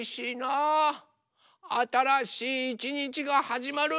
あたらしいいちにちがはじまる！